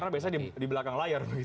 karena biasanya di belakang layar begitu ya